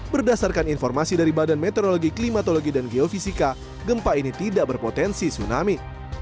berdasarkan informasi dari badan meteorologi klimatologi dan geofisika gempa ini tidak berpotensi tsunami